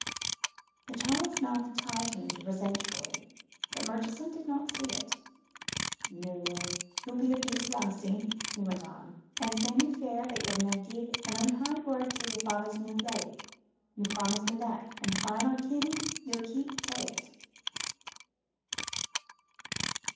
The child's mouth tightened resentfully, but Murchison did not see it. "Noo, ye'll jest be a douce lassie," he went on, "and say me fair that ye'll never gie an unkind word tae yer feyther's new lady. Noo, promise me that, an' fine I ken ye'll keep tae it."